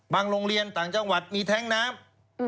โรงเรียนต่างจังหวัดมีแท้งน้ำ